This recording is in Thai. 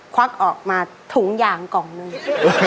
ควักออกมาถุงยางกล่องหนึ่ง